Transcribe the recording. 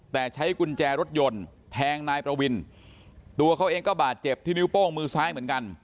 แต่ใช้กุญแจรถยนต์แทงนายประวินตัวเขาเองก็บาดเจ็บที่นิ้วโป้งมือซ้ายเหมือนกัน